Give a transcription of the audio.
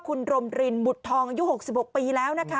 คุณรมรินบุตรทองอายุ๖๖ปีแล้วนะคะ